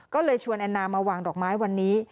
ก็เลยชวนแอนนามาวางดอกไม้วันนี้